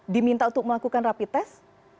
diminta untuk melakukan rapi tes